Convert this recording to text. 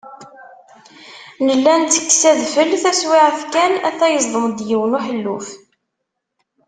Nella nettekkes adfel, taswiɛt kan ata yeẓdem-d yiwen uḥelluf.